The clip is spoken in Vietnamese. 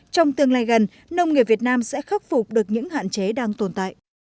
trong tương lai gần nông nghiệp việt nam sẽ khắc phục được những hạn chế đang tồn tại